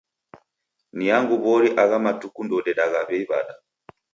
Ni angu w'ori agha matuku ndoudedaa w'ei w'ada.